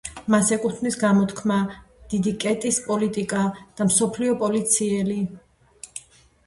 მას ეკუთვნის გამოთქმა დიდი კეტის პოლიტიკა და „მსოფლიო პოლიციელი“.